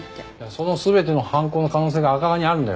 その全ての犯行の可能性が赤川にあるんだよ。